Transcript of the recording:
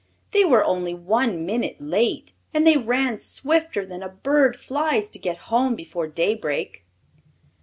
"They were only one minute late, and they ran swifter than a bird flies to get home before daybreak."